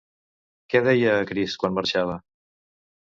Què deia a crits quan marxava?